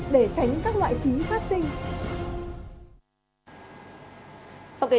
để tránh các loại phí phát sinh